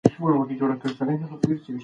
اعتمادالدولة میرویس ته د ملاتړ یو لیک ورکړ.